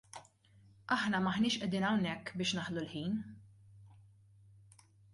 Aħna m'aħniex qegħdin hawnhekk biex naħlu l-ħin.